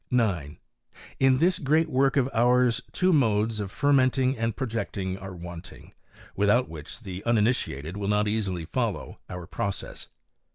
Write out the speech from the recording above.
9. In this great work of ours, two modes of U menting and projecting are wanting, without whidi t uninitiated will not easily follow our process.